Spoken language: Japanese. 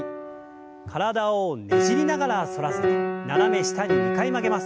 体をねじりながら反らせて斜め下に２回曲げます。